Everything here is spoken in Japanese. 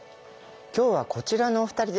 今日はこちらのお二人です。